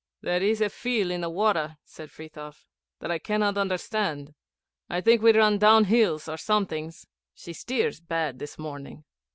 'There is a feel in the water,' said Frithiof, 'that I cannot understand. I think that we run downhills or somethings. She steers bad this morning.'